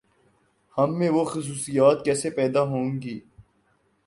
ہم میں وہ خصوصیات کیسے پیداہونگی؟